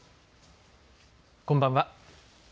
こんばんは。